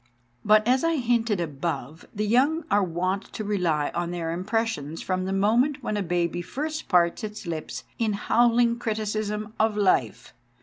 But as I hinted above, the young are wont to rely on their impressions from the moment when a baby first parts its lips in howling criticism of life.